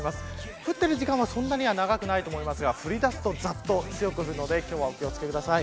降っている時間はそんなには長くないと思いますが降り出すとざっと強く降るので今日はお気を付けください。